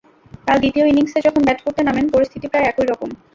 কাল দ্বিতীয় ইনিংসে যখন ব্যাট করতে নামেন, পরিস্থিতি প্রায় একই রকম।